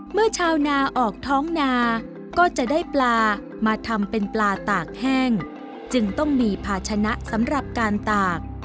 เมื่อชาวนาออกท้องนาก็จะได้ปลามาทำเป็นปลาตากแห้งจึงต้องมีภาชนะสำหรับการตาก